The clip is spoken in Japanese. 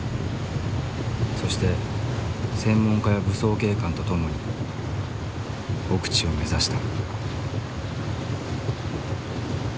そして専門家や武装警官と共に奥地を目指した。